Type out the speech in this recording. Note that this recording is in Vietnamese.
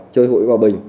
chơi hụi vào bình